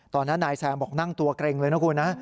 ตอนนั้นนายแซมบอกนั่งตัวเกร็งเลยนะคุณนะ